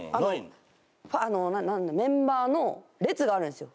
メンバーの列があるんですよ